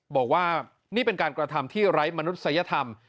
บอกว่านี่เป็นการกระทำที่ไร้มนุษยธรรม